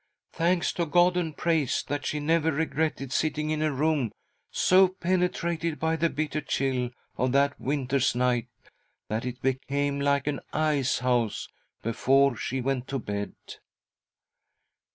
Thanks to God and praise that she never regretted sitting in a room so penetrated by the bitter chill of that winter's night that it became like an ice house before she went to bed."